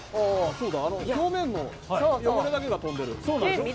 表面の汚れだけが飛んでいる。